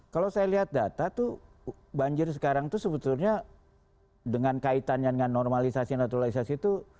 kalau saya lihat data tuh banjir sekarang itu sebetulnya dengan kaitannya dengan normalisasi naturalisasi itu